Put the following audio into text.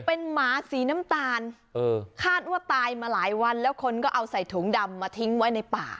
เป็นหมาสีน้ำตาลคาดว่าตายมาหลายวันแล้วคนก็เอาใส่ถุงดำมาทิ้งไว้ในป่า